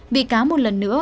bị cáo một lần nữa